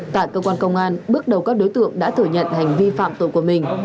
tại cơ quan công an bước đầu các đối tượng đã thừa nhận hành vi phạm tội của mình